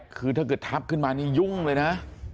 คือถ้าเกิดทับขึ้นมานี่ยุ่งเลยนะ